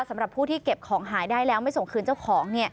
สำหรับผู้ที่เก็บของหายได้แล้วไม่ส่งคืนเจ้าของ